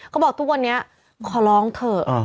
เขาบอกทุกวันนี้ขอร้องเถอะ